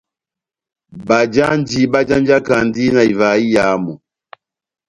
Bajanji bájanjakandi na ivaha iyamu.